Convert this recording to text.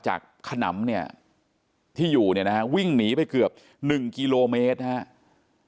ขนำเนี่ยที่อยู่เนี่ยนะฮะวิ่งหนีไปเกือบ๑กิโลเมตรนะครับ